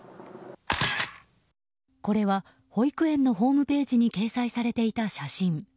これは、保育園のホームページに掲載されていた写真。